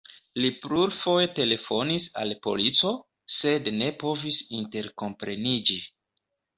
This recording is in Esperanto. Li plurfoje telefonis al polico, sed ne povis interkompreniĝi.